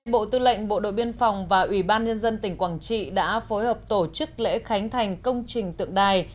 bộ tư lệnh bộ đội biên phòng và ủy ban nhân dân tỉnh quảng trị đã phối hợp tổ chức lễ khánh thành công trình tượng đài